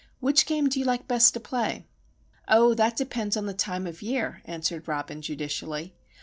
"Which game do you like best to play?" "Oh, that depends on the time of year," answered Robin, judicially.